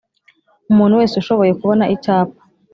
Umuntu wese ushoboye kubona icyapa